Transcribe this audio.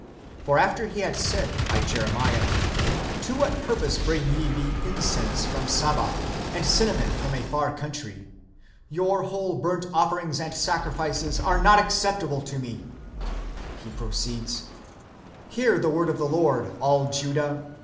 For after He had said by Jeremiah, "To what purpose bring ye me incense from Saba, and cinnamon from a far country ? Your whole burnt offerings and sacrifices are not acceptable to me;" ^ He proceeds :" Hear the word of the Lord, all Judah.